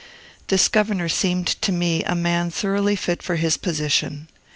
This governor seemed to me a man thoroughly fit for his position.